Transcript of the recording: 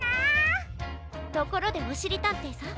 ところでおしりたんていさん。